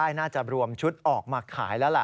น่าจะรวมชุดออกมาขายแล้วล่ะ